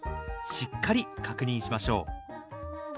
しっかり確認しましょう。